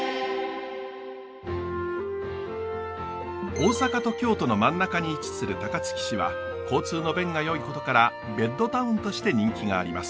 大阪と京都の真ん中に位置する高槻市は交通の便がよいことからベッドタウンとして人気があります。